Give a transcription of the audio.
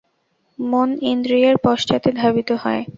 মন ইন্দ্রিয়ের পশ্চাতে ধাবিত হয়।